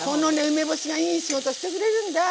梅干しがいい仕事してくれるんだ。